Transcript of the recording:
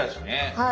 はい。